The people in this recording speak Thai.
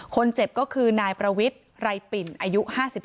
คนเจ็บก็คือนายประวิทย์ไรปิ่นอายุ๕๓